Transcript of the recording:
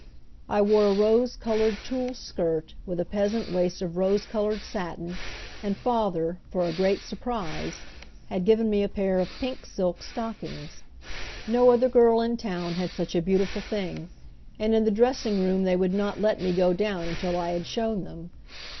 I wore a rose colored tulle skirt with a peasant waist of rose colored satin, and father, for a great surprise, had given me a pair of pink silk stockings. No other girl in town had such a beautiful thing, and in the dressing room they would not let me go down until I had shown them.